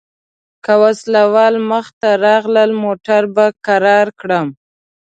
که وسله وال مخته راغلل موټر به کرار کړم.